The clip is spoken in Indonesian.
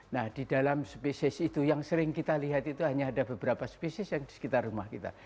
nah di dalam spesies itu yang sering kita lihat itu hanya ada beberapa spesies yang di sekitar rumah kita